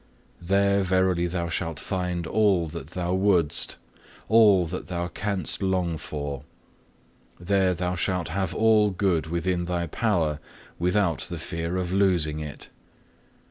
There verily thou shalt find all that thou wouldst, all that thou canst long for. There thou shalt have all good within thy power without the fear of losing it.